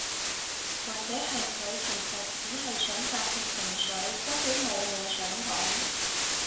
或者係佢其實只係想發洩情緒，根本無嘢想講